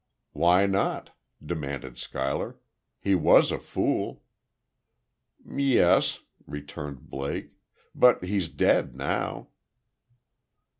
"Why not?" demanded Schuyler. "He was a fool." "Yes," returned Blake. "But he's dead, now."